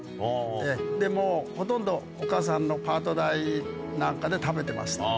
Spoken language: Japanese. でも、ほとんどお母さんのパート代なんかで食べてました。